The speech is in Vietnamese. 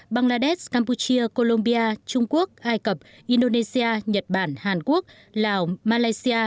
bangladesh campuchia colombia trung quốc ai cập indonesia nhật bản hàn quốc lào malaysia